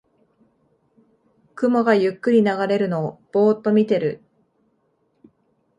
雲がゆっくり流れるのをぼーっと見てる